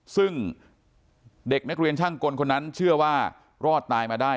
ซึ่งเด็กนักเรียนช่างกลคนนั้นเชื่อว่ารอดตายมาได้